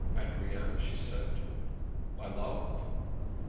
'Adrian,' she said. 'My love?'